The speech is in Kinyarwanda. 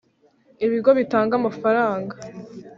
Ibigo bitanga amafaranga